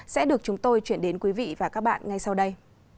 sẽ được chúng tôi chuyển đến quý vị và các bạn ngay sau đây